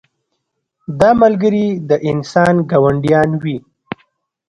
دا ملګري د انسان ګاونډیان وي.